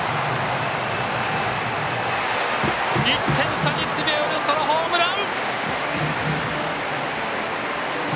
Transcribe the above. １点差に詰め寄るソロホームラン！